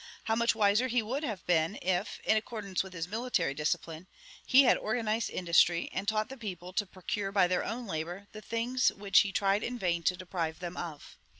How much wiser he would have been if, in accordance with his military discipline, he had organized industry and taught the people to procure by their own labor the things which he tried in vain to deprive them of.